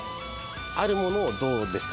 あるものをどうですか？